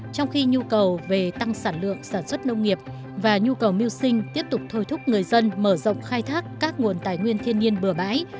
trong khi nhu cầu về tăng sản lượng sản xuất nông nghiệp và nhu cầu mưu sinh tiếp tục thôi thúc người dân mở rộng khai thác các nguồn tài nguyên thiên nhiên bừa bãi